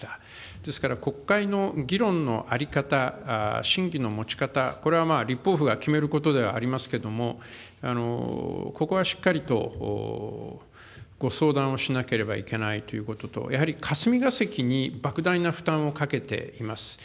ですから国会の議論の在り方、審議の持ち方、これは立法府が決めることではないと思いますけれども、ここはしっかりと、ご相談をしなければいけないということと、やはり霞ヶ関にばく大な負担をかけています。